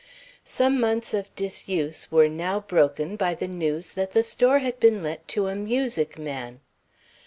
Some months of disuse were now broken by the news that the store had been let to a music man.